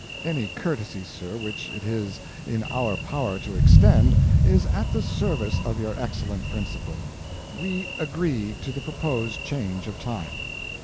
"Any courtesy, sir, which it is in our power to extend is at the service of your excellent principal. We agree to the proposed change of time."